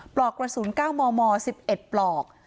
ปลอกกระสุนเก้าหมอ๑๑ปลอก